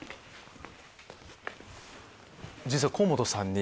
実は河本さんに。